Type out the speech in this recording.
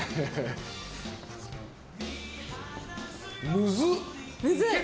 むずっ！